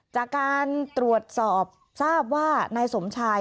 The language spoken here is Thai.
จากการตรวจสอบทราบว่านายสมชาย